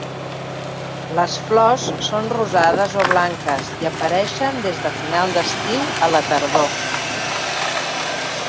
Les flors són rosades o blanques i apareixen des de final d'estiu a la tardor.